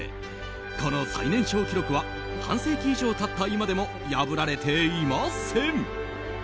この最年少記録は半世紀以上経った今でも破られていません。